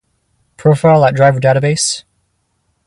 Profile at Driver Database